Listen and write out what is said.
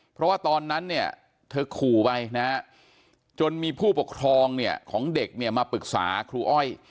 เพราะว่าตอนนั้นเนี่ยเธอขู่ไปนะฮะจนมีผู้ปกครองเนี่ยของเด็กเนี่ยมาปรึกษาครูอ้อย